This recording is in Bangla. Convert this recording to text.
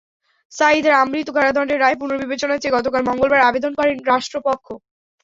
সাঈদীর আমৃত্যু কারাদণ্ডের রায় পুনর্বিবেচনা চেয়ে গতকাল মঙ্গলবার আবেদন করেন রাষ্ট্রপক্ষ।